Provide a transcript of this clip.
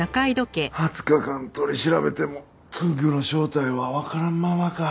２０日間取り調べてもキングの正体はわからんままか。